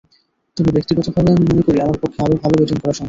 তবে ব্যক্তিগতভাবে আমি মনে করি, আমার পক্ষে আরও ভালো ব্যাটিং করা সম্ভব।